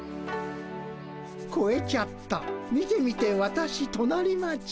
「こえちゃった見て見て私隣町」。